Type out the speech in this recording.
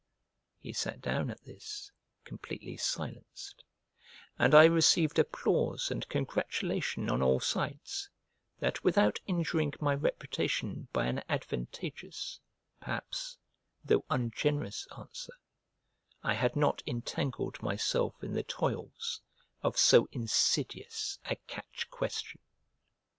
He sat down at this, completely silenced; and I received applause and congratulation on all sides, that without injuring my reputation by an advantageous, perhaps, though ungenerous answer, I had not entangled myself in the toils of so insidious a catch question.